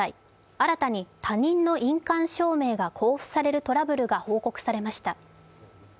新たに他人の印鑑証明が交付されるトラブルが報告されました。